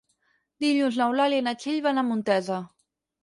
Dilluns n'Eulàlia i na Txell van a Montesa.